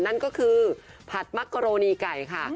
นั่นก็คือผัดมักกะโรนีไก่ค่ะ